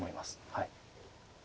はい。